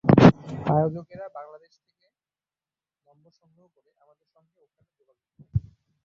আয়োজকেরা বাংলাদেশ থেকে নম্বর সংগ্রহ করে আমাদের সঙ্গে ওখানে যোগাযোগ করেন।